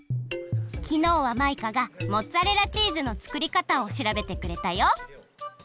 きのうはマイカがモッツァレラチーズの作りかたをしらべてくれたよ！